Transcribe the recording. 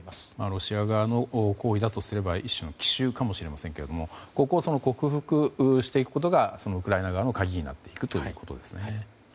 ロシア側の行為だとすれば一種の奇襲かもしれませんがここを克服していくことがウクライナ側も鍵になるということですね。